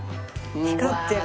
光ってる。